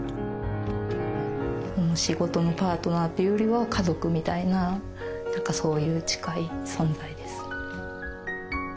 もう仕事のパートナーというよりは家族みたいな何かそういう近い存在です。